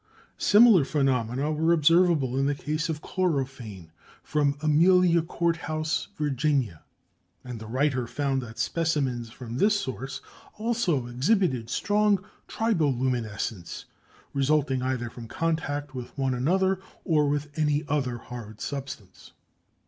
Similar phenomena were observable in the case of chlorophane from Amelia Court House, Va., and the writer found that specimens from this source also exhibited strong triboluminescence, resulting either from contact with one another, or with any hard substance.